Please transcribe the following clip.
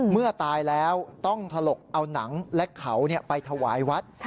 เมื่อตายแล้วต้องถลกเอาหนังและเขาไปถวายวัด